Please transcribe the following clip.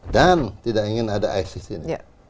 dan tidak ingin ada isis di sini